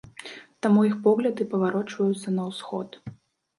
Таму іх погляды паварочваюцца на ўсход.